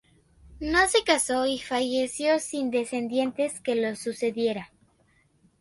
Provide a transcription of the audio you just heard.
No se casó y falleció sin descendientes que lo sucedieran.